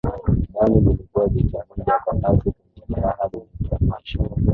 Damu zilikuwa zikivuja kwa kasi kwenye jeraha lililotoneshwa